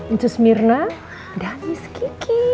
uncus myrna dan iskiki